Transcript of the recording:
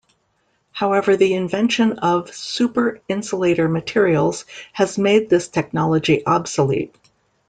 However, the invention of super insulator materials has made this technology obsolete.